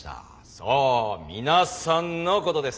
そう皆さんのことです。